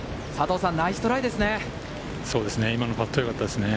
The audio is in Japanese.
ナイストライですね。